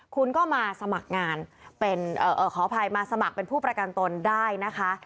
คุณก็มาสมัครงานเป็นขออภัยมาสมัครเป็นผู้ประกันตนได้นะคะ